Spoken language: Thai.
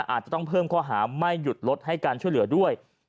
อาจจะต้องเพิ่มข้อหาไม่หยุดรถให้การช่วยเหลือด้วย